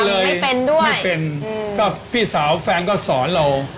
ไม่เป็นด้วยไม่เป็นก็พี่สาวแฟนก็สอนเรา